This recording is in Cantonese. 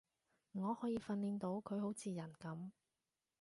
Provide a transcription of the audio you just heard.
我可以訓練到佢好似人噉